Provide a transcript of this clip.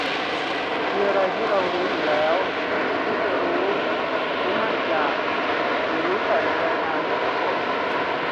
มีอะไรที่เรารู้อยู่แล้ว ไม่เคยรู้ รู้มาอีกอย่าง หรือรู้แต่ในรายงานไม่ปรากฏ